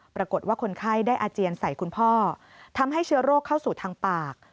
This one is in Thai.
ปรากฏว่าคนไข้ได้อาเจียนใส่คุณพ่อทำให้เชื้อโรคเข้าสู่ทางปาก